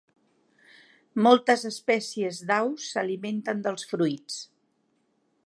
Moltes espècies d'aus s'alimenten dels fruits.